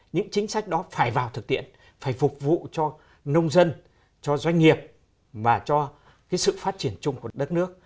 những chính sách đó phải vào thực tiện phải phục vụ cho nông dân cho doanh nghiệp và cho sự phát triển chung của đất nước